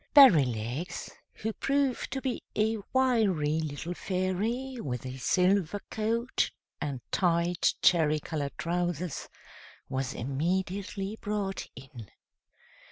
Berrylegs, who proved to be a wiry little Fairy, with a silver coat and tight, cherry colored trousers, was immediately brought in.